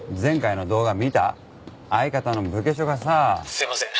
すいません。